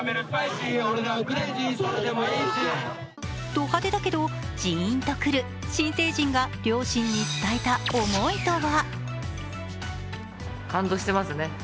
ド派手だけどジーンと来る、新成人が両親に伝えた思いとは。